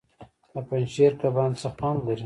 د پنجشیر کبان څه خوند لري؟